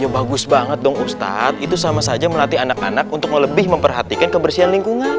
bagus banget dong ustadz itu sama saja melatih anak anak untuk lebih memperhatikan kebersihan lingkungan